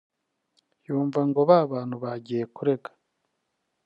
yumve ngo ba bantu bagiye kurega